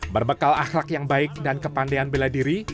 berbekal akhlak yang baik dan kepandean bela diri